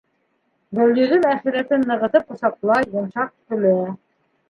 Гөлйөҙөм әхирәтен нығытып ҡосаҡлай, йомшаҡ көлә.